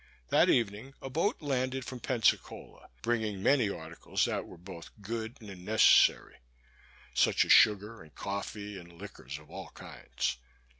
That evening a boat landed from Pensacola, bringing many articles that were both good and necessary; such as sugar and coffee, and liquors of all kinds.